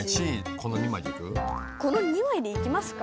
この２まいでいきますか？